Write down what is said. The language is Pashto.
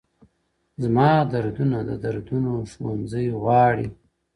o زما دردونه د دردونو ښوونځی غواړي ـ